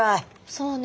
そうね。